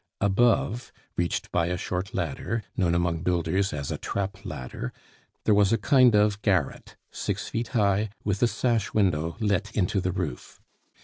Above, reached by a short ladder, known among builders as a "trap ladder," there was a kind of garret, six feet high, with a sash window let into the roof.